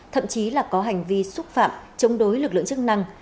thậm chí là có hành vi xúc phạm chống đối lực lượng chức năng